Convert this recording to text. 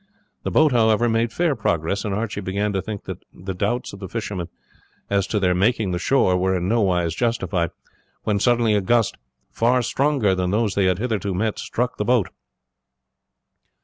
The boat, however, made fair progress, and Archie began to think that the doubts of the fishermen as to their making the shore were in no wise justified, when suddenly a gust, far stronger than those they had hitherto met, struck the boat.